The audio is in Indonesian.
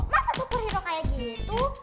masa tu perhidupan kayak gitu